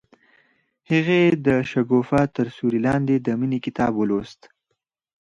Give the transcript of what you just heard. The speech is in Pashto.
هغې د شګوفه تر سیوري لاندې د مینې کتاب ولوست.